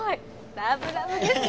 ラブラブですね！